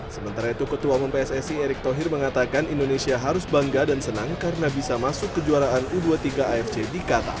sementara itu ketua umum pssi erick thohir mengatakan indonesia harus bangga dan senang karena bisa masuk kejuaraan u dua puluh tiga afc di qatar